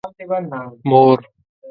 مور